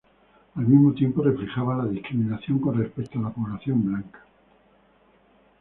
Al mismo tiempo, reflejaba la discriminación con respecto a la población blanca.